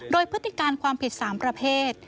โดยพฤติการความผิด๓ประเภท